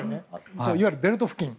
いわゆるベルト付近。